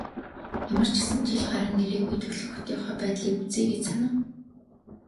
Ямар ч гэсэн жил гаран ирээгүй төрөлх хотынхоо байдлыг үзье гэж санав.